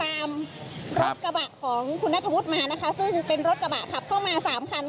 ซึ่งเป็นรถกระบะขับเข้ามา๓คันค่ะ